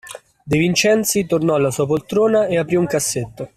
De Vincenzi tornò alla sua poltrona e aprì un cassetto.